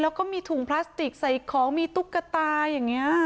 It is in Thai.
แล้วก็มีถุงพลาสติกใส่ของมีตุ๊กตาอย่างนี้